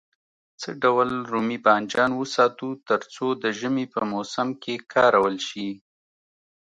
څه ډول رومي بانجان وساتو تر څو د ژمي په موسم کې کارول شي.